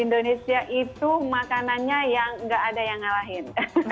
indonesia itu makanannya yang gak ada yang ngalahin